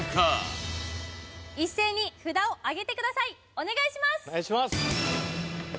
お願いします